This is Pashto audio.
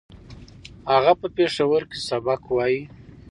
هغه په پېښور کې سبق وايي